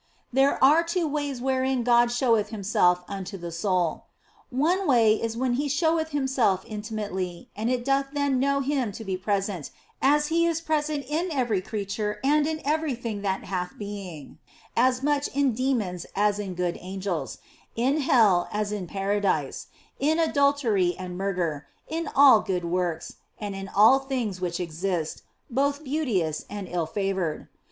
There are two ways wherein God showeth Himself unto the soul. One way is when He showeth Himself in timately, and it doth then know Him to be present, as He is present in every creature and in everything that hath being ; as much in demons as in good angels, in i88 THE BLESSED ANGELA hell as in Paradise, in adultery and murder, in all good works, and in all things which exist, both beauteous and ill favoured.